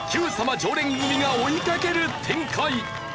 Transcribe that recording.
常連組が追いかける展開。